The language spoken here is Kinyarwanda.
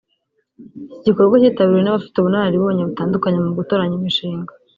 Igi gikorwa kitabiriwe n’abafite ubunararibonye butandukanye mu gutoranya imishinga